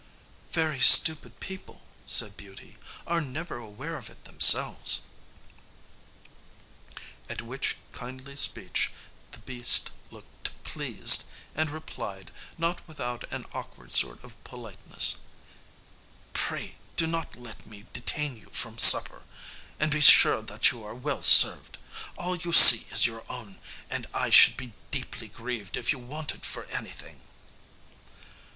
"Very stupid people," said Beauty, "are never aware of it themselves." At which kindly speech the beast looked pleased, and replied, not without an awkward sort of politeness, "Pray do not let me detain you from supper, and be sure that you are well served. All you see is your own, and I should be deeply grieved if you wanted for anything."